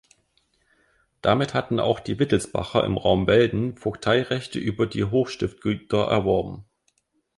Damit hatten auch die Wittelsbacher im Raum Velden Vogteirechte über die Hochstiftgüter erworben.